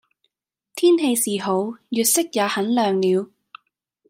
天氣是好，月色也很亮了。